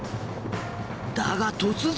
だが突然。